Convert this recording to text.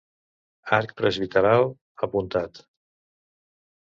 Arc presbiteral apuntat.